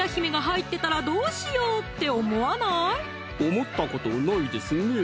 思ったことないですね